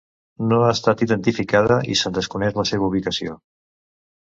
No ha estat identificada i se'n desconeix la seva ubicació.